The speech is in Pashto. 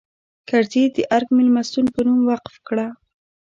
کرزي د ارګ مېلمستون په نوم وقف کړه.